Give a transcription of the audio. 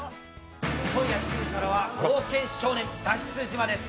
今夜７時からは「冒険少年脱出島」です。